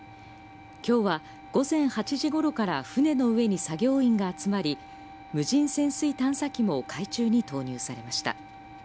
きょうは午前８時ごろから船の上に作業員が集まり、無人潜水探査機も、海中に投入されました。